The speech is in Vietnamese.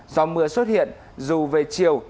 do mưa xuất hiện dù về chiều